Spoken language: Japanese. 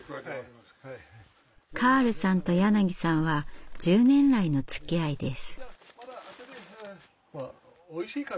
カールさんと柳さんは１０年来のつきあいです。